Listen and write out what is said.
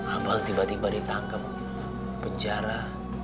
amal tiba tiba ditangkap penjara